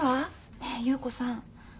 ねえ優子さん。